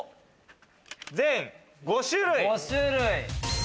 全５種類。